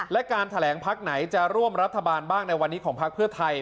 และการแถลงพักไหนจะร่วมรัฐบาลบ้างในวันนี้ของพักเพื่อไทย